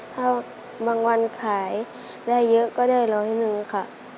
ถ้าบางวันขายได้เยอะก็ได้ร้อยหนึ่งค่ะ